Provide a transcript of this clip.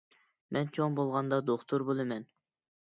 مەن چوڭ بولغاندا دوختۇر بولىمەن.